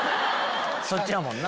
そっちやもんな。